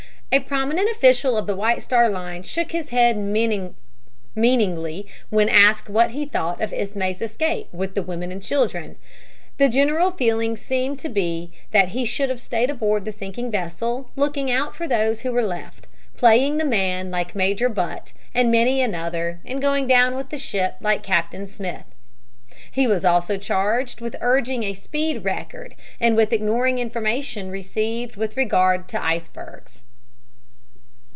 A prominent official of the White Star Line shook his head meaningly when asked what he thought of Ismay's escape with the women and children. The general feeling seemed to be that he should have stayed aboard the sinking vessel, looking out for those who were left, playing the man like Major Butt and many another and going down with the ship like Captain Smith. He was also charged with urging a speed record and with ignoring information received with regard to icebergs.